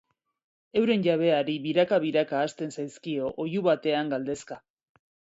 Euren jabeari biraka-biraka hasten zaizkio oihu batean galdezka.